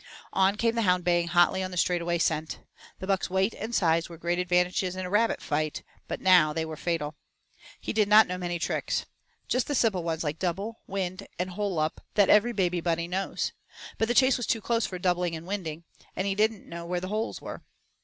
On came the hound baying hotly on the straight away scent. The buck's weight and size were great advantages in a rabbit fight, but now they were fatal. He did not know many tricks. Just the simple ones like 'double,' 'wind,' and 'hole up,' that every baby Bunny knows. But the chase was too close for doubling and winding, and he didn't know where the holes were.